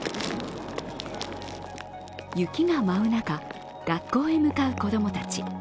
雪が舞う中、学校へ向かう子供たち。